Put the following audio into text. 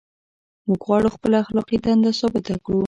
موږ غواړو خپله اخلاقي دنده ثابته کړو.